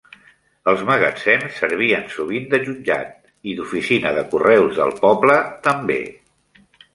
Els magatzems servien sovint de jutjat i d'oficina de correus del poble, també.